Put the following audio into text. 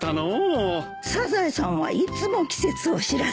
サザエさんはいつも季節を知らせてくれますね。